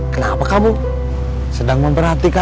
kenapa kamu sedang memperhatikan